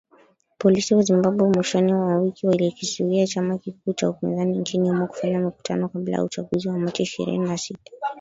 Polisi wa Zimbabwe mwishoni mwa wiki walikizuia chama kikuu cha upinzani nchini humo kufanya mikutano kabla ya uchaguzi wa machi ishirini na sita.